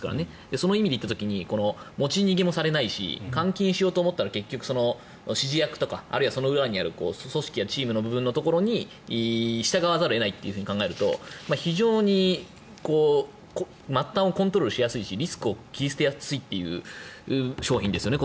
その意味で言った時に持ち逃げもされないし換金しようと思ったら指示役とかあるいはその裏にある組織やチームの部分に従わざるを得ないと考えると非常に末端をコントロールしやすいしリスクを切り捨てやすいという商品ですよね